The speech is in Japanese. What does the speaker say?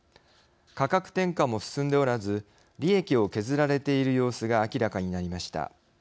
価格転嫁も進んでおらず利益を削られている様子が明らかになりました。